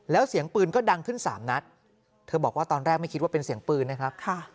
แล้วเสียงปืนก็ดังขึ้น๓นัดเธอบอกว่าตอนแรกไม่คิดว่าเป็นเสียงปืนนะครับ